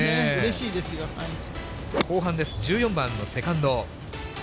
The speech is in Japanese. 後半です、１４番のセカンド。